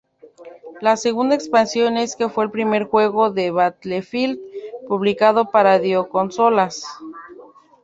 La segunda expansión es que fue el primer juego de Battlefield publicado para videoconsolas.